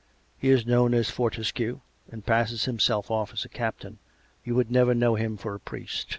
He is known as Fortescue, and passes himself off as a captain. You would never know him for a priest."